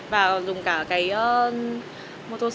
và dùng cả cái đồ để làm đèn trên kia